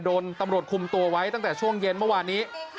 โดนตำรวจคุมตัวไว้ตั้งแต่ช่วงเย็นเมื่อวานนี้